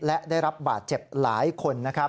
และได้รับบาดเจ็บหลายคนนะครับ